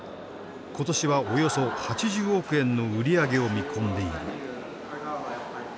今年はおよそ８０億円の売り上げを見込んでいる。